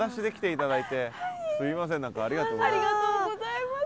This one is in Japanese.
すいません何かありがとうございます。